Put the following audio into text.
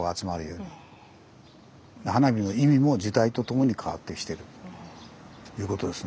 花火の意味も時代とともに変わってきてるということですね。